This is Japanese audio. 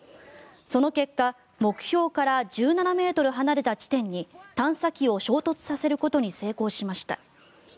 その結果目標から１７ｍ離れた地点に探査機を衝突させることに成功しました。